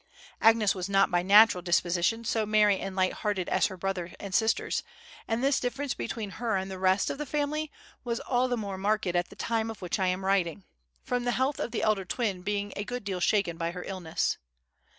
Agnes was not by natural disposition so merry and light hearted as her brother and sisters, and this difference between her and the rest of the family was all the more marked at the time of which I am writing, from the health of the elder twin being a good deal shaken by her illness.